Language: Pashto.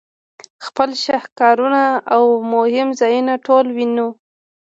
خپل شهکارونه او مهم ځایونه ټول وینو.